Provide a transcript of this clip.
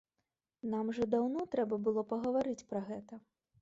Нам жа даўно трэба было пагаварыць пра гэта.